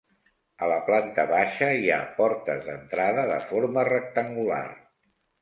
A la planta baixa hi ha portes d'entrada de forma rectangular.